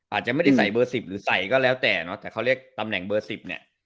อาจจะไม่ได้ใส่เบอร์๑๐หรือใส่ก็แล้วแต่เนอะแต่เขาเรียกตำแหน่งเบอร์๑๐เนี่ย